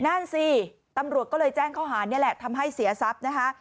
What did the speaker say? นั่นสิตำรวจก็เลยแจ้งข้อหานี่แหละทำให้เสียทรัพย์นะคะ